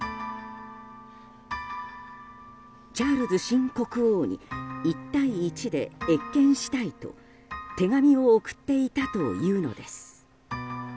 チャールズ新国王に１対１で謁見したいと手紙を送っていたというのです。